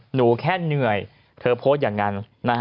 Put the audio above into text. หนูแค่เหนื่อยเธอโพสต์อย่างนั้น